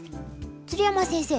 鶴山先生